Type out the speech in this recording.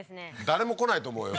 誰も来ないと思うよ